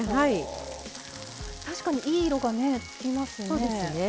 確かにいい色がねつきますね。